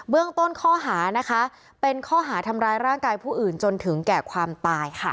เรื่องต้นข้อหานะคะเป็นข้อหาทำร้ายร่างกายผู้อื่นจนถึงแก่ความตายค่ะ